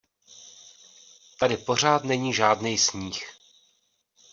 Tady pořád není žádnej sníh.